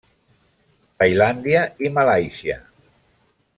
Tailàndia i Malàisia.